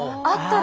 あっ。